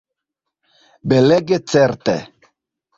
Belege, certe!